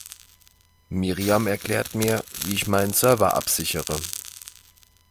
Miriam erklärt mir, wie ich meinen Server absichere.